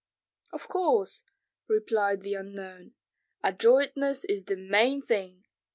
"Of course," replied the unknown. "Adroitness is the main thing!